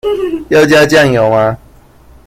要加醬油嗎？